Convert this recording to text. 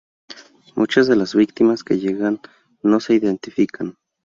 Muchas de las víctimas que llegan no se identifican.